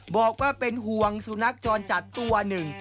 บอกว่าเป็นห่วงสุนัขจรจัดตัวหนึ่ง